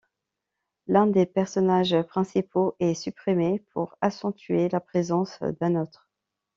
L'un des personnages principaux est supprimé pour accentuer la présence d'un autre.